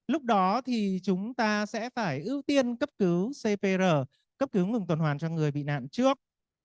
lúc đó thì chúng ta sẽ phải ưu tiên cấp cứu cpr cấp cứu ngừng tuần hoàn cho người bị nạn trước